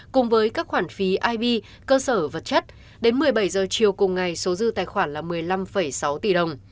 cùng với các khoản phí ib cơ sở vật chất đến một mươi bảy h chiều cùng ngày số dư tài khoản là một mươi năm sáu tỷ đồng